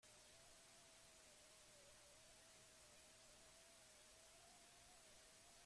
Azkonarrek erreka zeharkatzeko bide berri bat topatu dute.